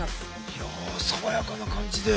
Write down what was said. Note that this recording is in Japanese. いや爽やかな感じで。